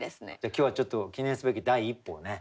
今日はちょっと記念すべき第一歩をね